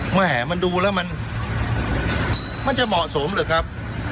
แหมมันดูแล้วมันจะเหมาะสมหรือครับ